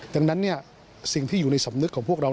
ดังนั้นสิ่งที่อยู่ในสำนึกของพวกเรา